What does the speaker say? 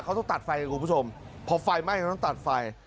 เขาต้องตัดไฟคุณผู้ชมพอไฟไหม้เขาต้องตัดไฟ